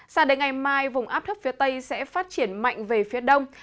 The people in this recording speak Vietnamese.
sao đến ngày mai vùng áp thấp phía tây sẽ phát triển mạnh về phía đông